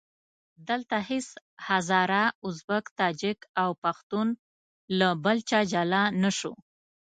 دلته هېڅ هزاره، ازبک، تاجک او پښتون له بل چا جلا نه شو.